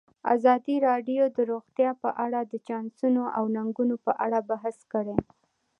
ازادي راډیو د روغتیا په اړه د چانسونو او ننګونو په اړه بحث کړی.